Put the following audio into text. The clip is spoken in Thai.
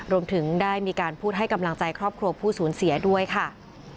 รวมถึงได้มีการพูดให้กำลังใจครอบครัวผู้สูญเสียด้วยค่ะ